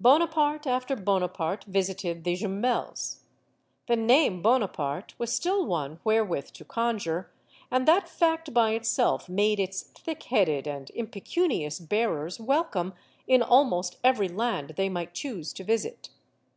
Bonaparte after Bonaparte visited the Jumels. The name, "Bonaparte," was still one wherewith to conjure, and that fact by itself made its thick headed and im pecunious bearers welcome in almost every land they might choose to visit.